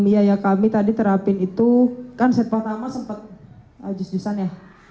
jadi ya kami tadi terapin itu kan set pertama sempat jus jusan ya